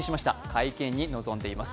会見に臨んでいます。